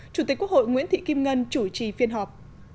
chủ tịch quốc hội nguyễn thị kim ngân chủ trì phiên họp